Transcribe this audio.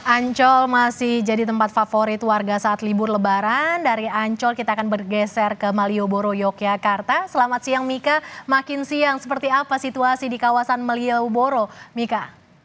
ancol masih jadi tempat favorit warga saat libur lebaran dari ancol kita akan bergeser ke malioboro yogyakarta selamat siang mika makin siang seperti apa situasi di kawasan meliau boro mika